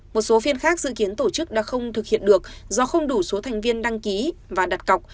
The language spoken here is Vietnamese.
một số phiên khác dự kiến tổ chức đã không thực hiện được do không đủ số thành viên đăng ký và đặt cọc